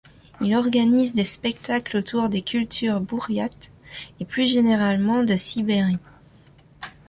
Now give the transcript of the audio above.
Il organise des spectacles autour des cultures bouriates et plus généralement de Sibérie.